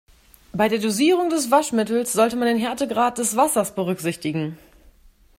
Bei der Dosierung des Waschmittels sollte man den Härtegrad des Wassers berücksichtigen.